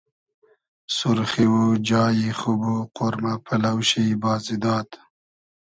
سورخی و جای خوب و قۉرمۂ پئلۆ شی بازی داد